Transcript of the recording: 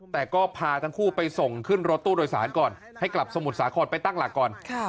แต่ก็พาทั้งคู่ไปส่งขึ้นรถตู้โดยสารก่อนให้กลับสมุทรสาครไปตั้งหลักก่อน